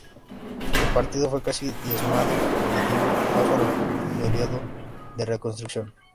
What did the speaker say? El partido fue casi diezmado, y dio paso a un período de reconstrucción.